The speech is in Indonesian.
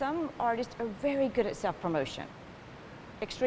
ada artis yang sangat baik dalam promosi diri